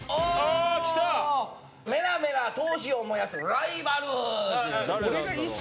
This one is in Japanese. メラメラ闘志を燃やすライバル。